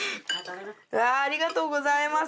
わぁありがとうございます。